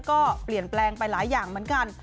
ก็เปลี่ยนแปลงไปหลายอย่างเหมือนกัน